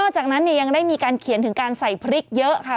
จากนั้นยังได้มีการเขียนถึงการใส่พริกเยอะค่ะ